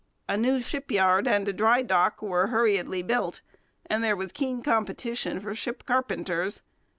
A new shipyard and a dry dock were hurriedly built; and there was keen competition for ship carpenters.